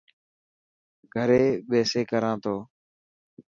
گهري ٻيسي ڪران تو.